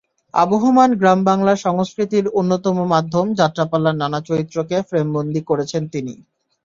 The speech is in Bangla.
আবহমান গ্রামবাংলার সংস্কৃতির অন্যতম মাধ্যম যাত্রাপালার নানা চরিত্রকে ফ্রেমবন্দী করেছেন তিনি।